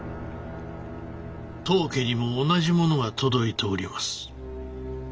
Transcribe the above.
当家にも同じものが届いております。